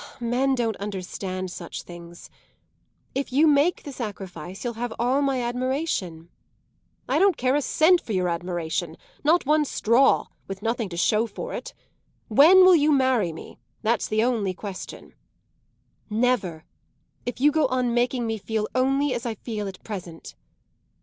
Men don't understand such things. If you make the sacrifice you'll have all my admiration." "I don't care a cent for your admiration not one straw, with nothing to show for it. When will you marry me? That's the only question." "Never if you go on making me feel only as I feel at present."